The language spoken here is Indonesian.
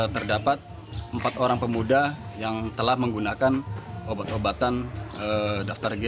terdapat empat orang pemuda yang telah menggunakan obat obatan daftar g